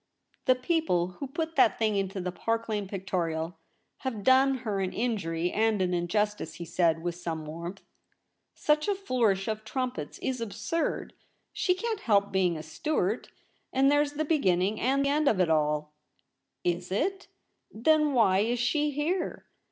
* The people who put that thing into the Park Lane Pictorial have done her an injury and an injustice,' he said, with some warmth. * Such a flourish of trumpets is absurd. She can't help being a Stuart ; and there's the beginning and end of it all.' 'Is it ? Then why is she here